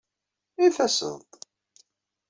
I taseḍ-d?